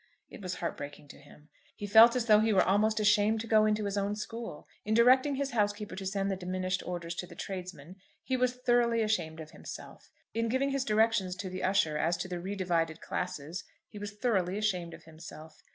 It was heartbreaking to him. He felt as though he were almost ashamed to go into his own school. In directing his housekeeper to send the diminished orders to the tradesmen he was thoroughly ashamed of himself; in giving his directions to the usher as to the re divided classes he was thoroughly ashamed of himself.